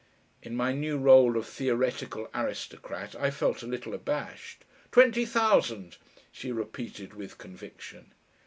In my new role of theoretical aristocrat I felt a little abashed. "Twenty thousand," she repeated with conviction.